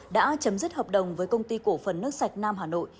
đã chấm dứt hợp đồng với công ty cổ phần nước sạch nam hà nội